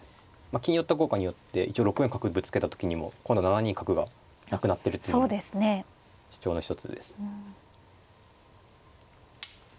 金寄った効果によって一応６四角ぶつけた時にも今度は７二角がなくなってるっていうのが主張の一つです。